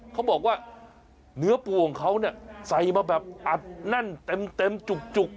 เขาบอกว่าเนื้อปูของเขาเนี่ยใส่มาแบบอัดแน่นเต็มจุก